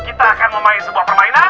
kita akan memain sebuah permainan